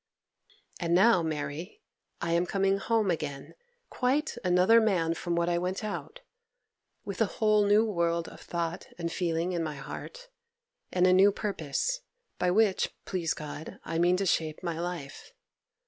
'And now, Mary, I am coming home again quite another man from what I went out; with a whole new world of thought and feeling in my heart, and a new purpose, by which, please God, I mean to shape my life.